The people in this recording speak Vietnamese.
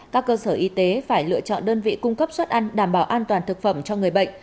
các cơ sở y tế phải lựa chọn đơn vị cung cấp suất ăn đảm bảo an toàn thực phẩm cho người bệnh